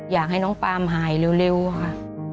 อยากให้น้องปาล์มหายเร็วค่ะ